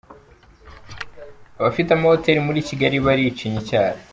Abafite amahoteli muri Kigali baricinya icyara.